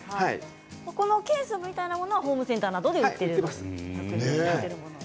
このケースみたいなものがホームセンターなどで売っています。